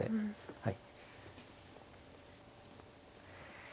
はい。